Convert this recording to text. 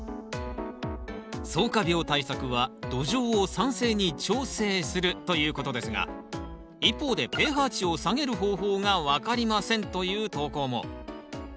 そうか病対策は土壌を酸性に調整するということですが一方で「ｐＨ値を下げる方法がわかりません」という投稿も。